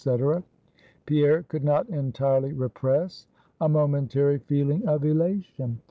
_") Pierre could not entirely repress a momentary feeling of elation.